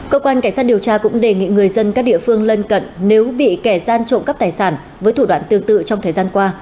cơ quan cảnh sát điều tra cũng đề nghị người dân các địa phương lân cận nếu bị kẻ gian trộm cắp tài sản với thủ đoạn tương tự trong thời gian qua